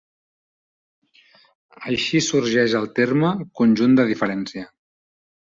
Així sorgeix el terme "conjunt de diferència".